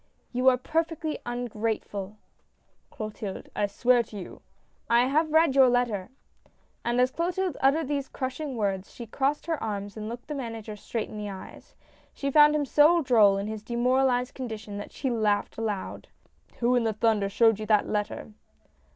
You are perfectly ungrateful I "" Clotilde — I swear to you "" I have read your letter I ", And as Clotilde uttered these crushing words she crossed her arms and looked the manager straight in the eyes. She found him so droll in his demoralized condition, that she laughed aloud. " Who in thunder showed you that letter